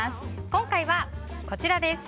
今回はこちらです。